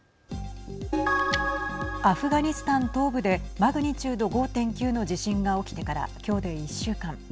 アフガニスタン東部でマグニチュード５．９の地震が起きてからきょうで１週間。